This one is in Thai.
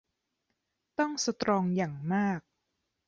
ต้องสตรองอย่างมาก